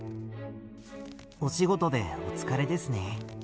お仕事でお疲れですね。